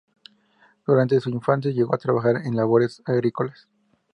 Durante su infancia, llegó a trabajar en labores agrícolas.